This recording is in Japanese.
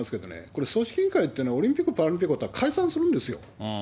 これ、組織委員会というのはオリンピック・パラリンピック終わったら解散するんですよ。